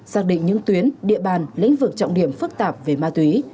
xác định những tuyến địa bàn lĩnh vực trọng điểm phức tạp về ma túy